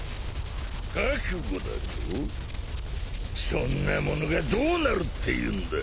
そんなものがどうなるっていうんだ。